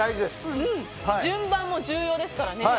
順番も重要ですからね。